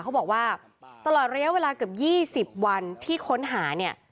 เขาบอกว่าตลอดระยะเวลาเกือบ๒๐วันที่ค้นหาเนี่ย